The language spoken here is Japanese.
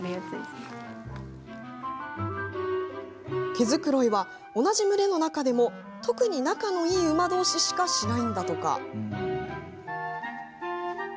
毛繕いは、同じ群れの中でも特に仲のいい馬どうししかしないんだとか。